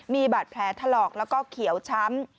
มีบาดแผลถลอกแล้วก็เขียวช้ำ